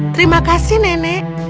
terima kasih nenek